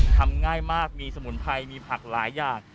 ทำง่ายมากมีสมุนไพรมีผักหลายอย่าง